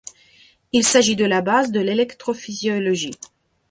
Il s'agit de la base de l'électrophysiologie.